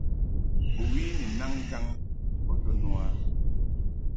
Bɨwi ni naŋ ŋkaŋ yi bo to no a.